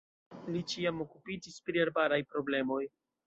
Li ĉiam okupiĝis pri arbaraj problemoj.